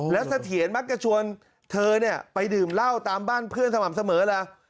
แล้วเสถียรมักจะชวนเธอเนี่ยไปดื่มเหล้าตามบ้านเพื่อนสม่ำเสมอล่ะ